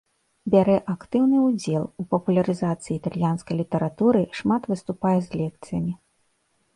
Бярэ актыўны ўдзел у папулярызацыі італьянскай літаратуры, шмат выступае з лекцыямі.